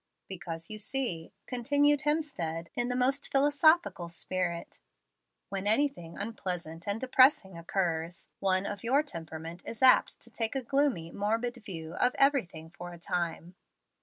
"Because you see," continued Hemstead, in the most philosophical spirit, "when anything unpleasant and depressing occurs, one of your temperament is apt to take a gloomy, morbid view of everything for a time."